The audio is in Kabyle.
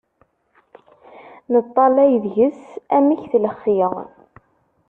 Neṭṭallay deg-s amek tlexxi.